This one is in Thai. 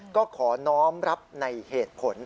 ก็ขอน้องรับในเหตุผล